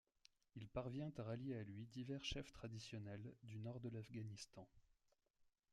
Il parvient à rallier à lui divers chefs traditionnels du nord de l'Afghanistan.